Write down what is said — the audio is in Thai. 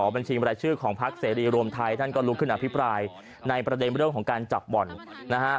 บัญชีบรายชื่อของพักเสรีรวมไทยท่านก็ลุกขึ้นอภิปรายในประเด็นเรื่องของการจับบ่อนนะฮะ